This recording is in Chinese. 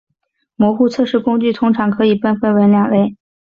模糊测试工具通常可以被分为两类。